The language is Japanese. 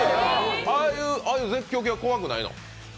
ああいう絶叫系は怖くないの？